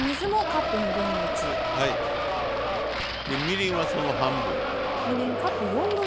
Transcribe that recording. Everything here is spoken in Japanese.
みりんはその半分。